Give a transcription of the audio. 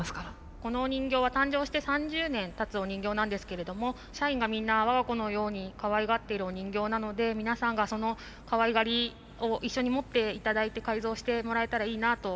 このお人形は誕生して３０年たつお人形なんですけれども社員がみんな我が子のようにかわいがっているお人形なので皆さんがそのかわいがりを一緒に持って頂いて改造してもらえたらいいなと。